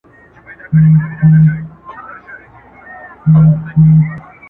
په نصيب يې وې ښادۍ او نعمتونه!